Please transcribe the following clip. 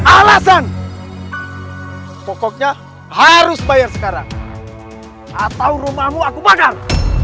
alasan pokoknya harus bayar sekarang atau rumahmu aku bayar